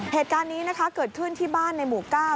เหตุการณ์นี้นะคะเกิดขึ้นที่บ้านในหมู่๙